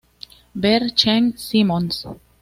Ver Chern-Simons.